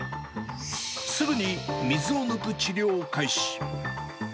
すぐに水を抜く治療を開始。